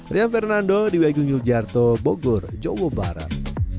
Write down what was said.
rian fernando di wegu nyuljiarto bogor jawa barat